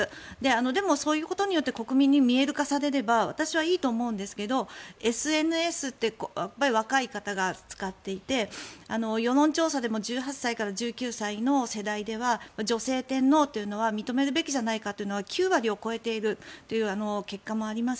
でもそういうことによって国民に見える化されれば私はいいと思うんですけどＳＮＳって若い方が使っていて世論調査でも１８歳から１９歳の世代では女性天皇というのは認めるべきじゃないかというのは９割を超えているという結果もあります